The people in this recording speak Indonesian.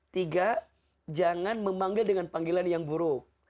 tiga jangan memanggil dengan panggilan yang buruk